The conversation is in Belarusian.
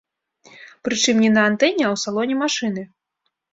Прычым не на антэне, а ў салоне машыны.